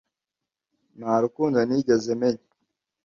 Nta rukundo nigeze menya